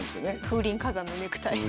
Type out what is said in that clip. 風林火山のネクタイ。